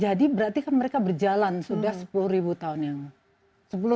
jadi berarti kan mereka berjalan sudah sepuluh ribu tahun yang lalu